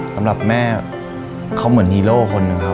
สำหรับแม่เขาเหมือนฮีโร่คน